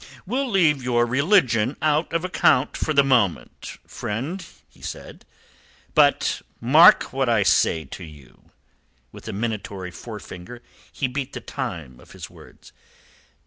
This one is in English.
"We'll leave your religion out of account for the moment, friend," said he. "But mark what I say to you." With a minatory forefinger he beat the time of his words.